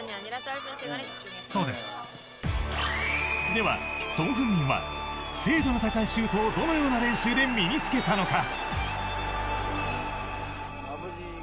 では、ソン・フンミンは精度の高いシュートをどのような練習で身につけたのか。